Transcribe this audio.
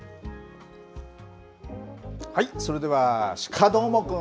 はい、それでは鹿どーもくん。